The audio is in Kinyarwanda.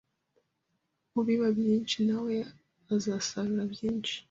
Ubiba byinshi nawe azasarura byinshi